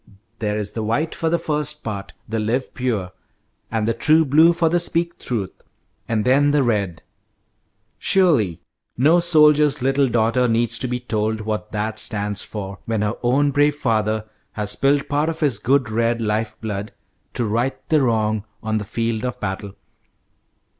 There is the white for the first part, the 'live pure,' and the 'true blue' for the 'speak truth,' and then the red, surely no soldier's little daughter needs to be told what that stands for, when her own brave father has spilled part of his good red life blood to 'right the wrong' on the field of battle."